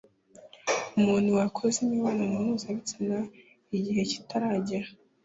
umuntu wakoze imibonano mpuzabitsina igihe kitaragera